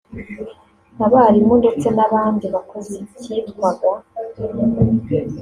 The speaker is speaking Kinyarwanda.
abarimu ndetse n’abandi bakozi cyitwaga